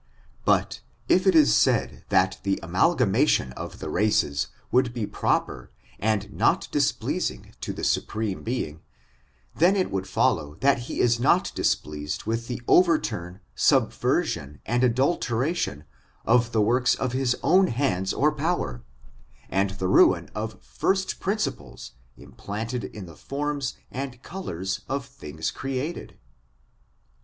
But if it is said that the amalgamation of the races would be proper, and not displeasing to the Supreme Being, then it will follow that he is not displeased with the overturn, subversion, and adulteration of the works of his own hands or power, and the ruin o{ first principles im planted in the forms and colors of things created.